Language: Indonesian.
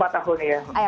empat tahun ya